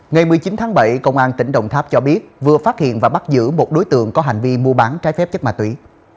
ngày một mươi chín tháng bảy công an tỉnh đồng tháp cho biết vừa phát hiện và bắt giữ một đối tượng có hành vi mua bán trái phép chất ma túy